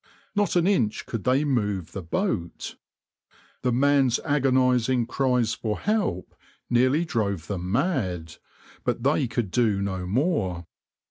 Not an inch could they move the boat. The man's agonising cries for help nearly drove them mad, but they could do no more.